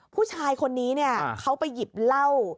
ผู้ชายคนนี้เขาไปหยิบเหล้า